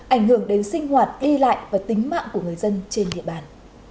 ảnh hưởng đến sinh hoạt đi lại và tính mạng của người dân trên địa bàn